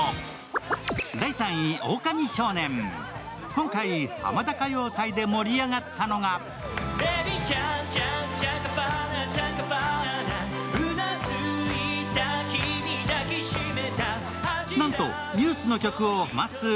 今回、ハマダ歌謡祭で盛り上がったのがなんとＮＥＷＳの曲をまっすー